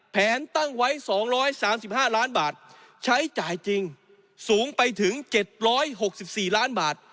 แผนตั้งไว้๒๓๕ล้านบาทใช้จ่ายจริงสูงไปถึง๗๖๔ล้านบาท